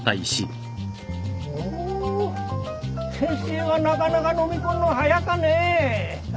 お先生はなかなかのみ込んの早かね。